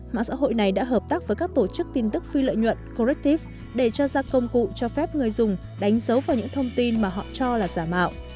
mạng xã hội này đã hợp tác với các tổ chức tin tức phi lợi nhuận coretiff để cho ra công cụ cho phép người dùng đánh dấu vào những thông tin mà họ cho là giả mạo